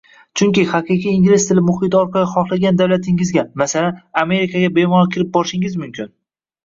Chunki haqiqiy ingliz muhiti orqali xohlagan davlatingizga, masalan, Amerikaga bemalol kirib borishingiz mumkin.